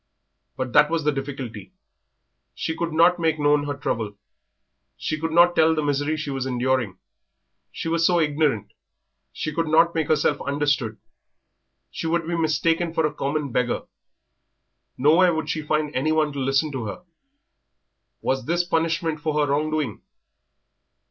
But that was the difficulty. She could not make known her trouble; she could not tell the misery she was enduring. She was so ignorant; she could not make herself understood. She would be mistaken for a common beggar. Nowhere would she find anyone to listen to her. Was this punishment for her wrong doing?